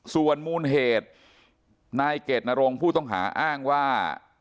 ส่วนมูลเหตุนายเกดนรงค์ผู้ต้องหาอ้างว่า